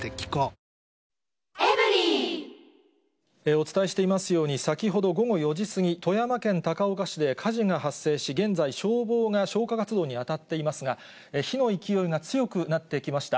お伝えしていますように、先ほど午後４時過ぎ、富山県高岡市で火事が発生し、現在、消防が消火活動に当たっていますが、火の勢いが強くなってきました。